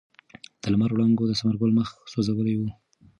د لمر وړانګو د ثمر ګل مخ سوځولی و.